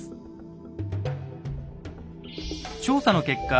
調査の結果